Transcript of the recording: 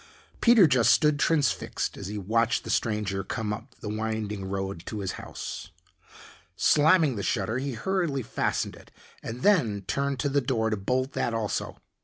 Peter just stood transfixed as he watched the stranger come up the winding road to his house. Slamming the shutter he hurriedly fastened it and then turned to the door to bolt that also.